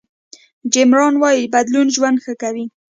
جیم ران وایي بدلون ژوند ښه کوي.